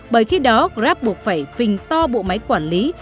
bởi khi đó grab buộc phải phình to bộ máy quản lý